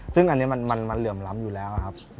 ซึ่งอันนี้มันเหลื่อมล้ำอยู่แล้วครับ